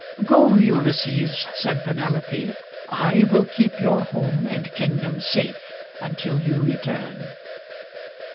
" Go, Ulysses," said Penelope, " I will keep your home and kingdom safe until you return."